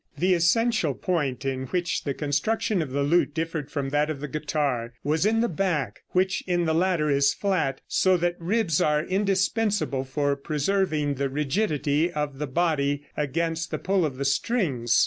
The essential point in which the construction of the lute differed from that of the guitar, was in the back, which in the latter is flat, so that ribs are indispensable for preserving the rigidity of the body against the pull of the strings.